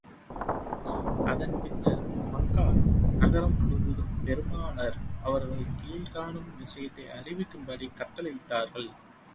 அதன் பின்னர், மக்கா நகரம் முழுவதும், பெருமானார் அவர்கள் கீழ்க்காணும் விஷயத்தை அறிவிக்கும்படி கட்டளையிட்டார்கள்.